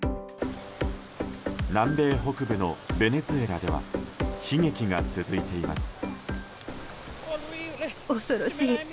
南米北部のベネズエラでは悲劇が続いています。